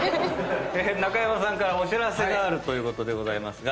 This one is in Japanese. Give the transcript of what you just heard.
中山さんからお知らせがあるということでございますが。